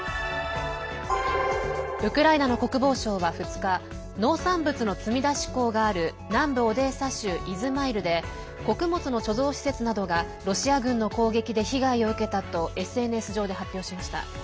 ウクライナの国防省は２日農産物の積み出し港がある南部オデーサ州イズマイルで穀物の貯蔵施設などがロシア軍の攻撃で被害を受けたとＳＮＳ上で発表しました。